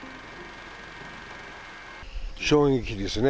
衝撃ですね。